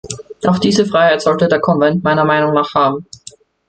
Auch diese Freiheit sollte der Konvent meiner Meinung nach haben.